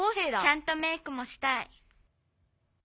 「ちゃんとメークもしたい」。